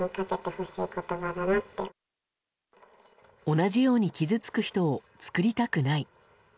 同じように傷つく人を作りたくない。